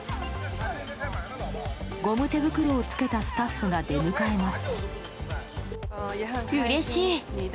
ゴム手袋を着けたスタッフが出迎えます。